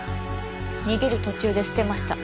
逃げる途中で捨てました。